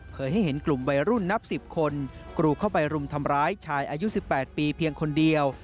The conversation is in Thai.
ให้เห็นกลุ่มวัยรุ่นนับ๑๐คนกรูเข้าไปรุมทำร้ายชายอายุ๑๘ปีเพียงคนเดียว